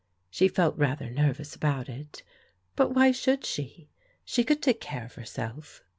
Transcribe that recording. She felt rather nervous about it, but why should she? She could take care of herself.